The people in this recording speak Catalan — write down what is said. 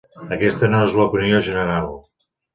Aquesta no és l'opinió general.